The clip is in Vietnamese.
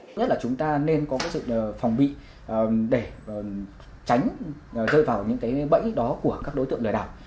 thứ nhất là chúng ta nên có sự phòng bị để tránh rơi vào những cái bẫy đó của các đối tượng lừa đảo